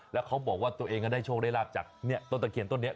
แล้วเขาบอกว่าตัวเองก็ได้โชคได้ราบจากต้นตะเคียนต้นนี้